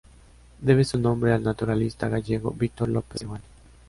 Debe su nombre al naturalista gallego Víctor López Seoane.